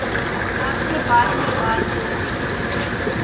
آپ سے بعد میں بات ہو گی۔